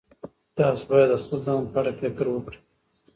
تاسو باید د خپل ځان په اړه فکر وکړئ.